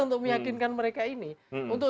untuk meyakinkan mereka ini untuk